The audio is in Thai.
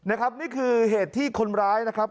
นี่คือเหตุที่คนร้ายนะครับ